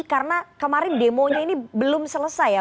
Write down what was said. karena kemarin demonya ini belum selesai ya